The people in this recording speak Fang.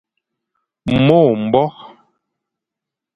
Mo mbore.